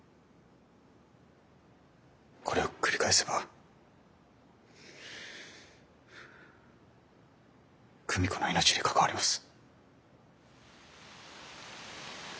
これを繰り返せば久美子の命に関わります。